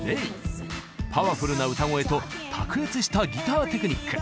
パワフルな歌声と卓越したギターテクニック。